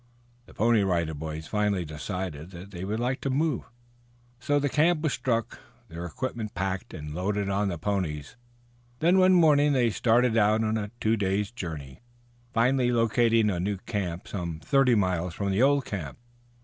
The Pony Rider Boys finally decided that they would like to move, so the camp was struck, their equipment packed and loaded on to the ponies. Then one morning they started out on a two days' journey, finally locating in a new camp some thirty miles from the old camp.